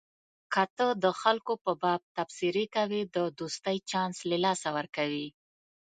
که ته د خلکو په باب تبصرې کوې د دوستۍ چانس له لاسه ورکوې.